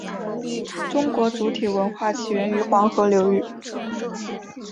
中国主体文明起源于黄河流域。